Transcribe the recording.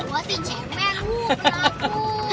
gua sih cemer wuh takut